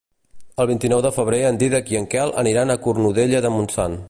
El vint-i-nou de febrer en Dídac i en Quel aniran a Cornudella de Montsant.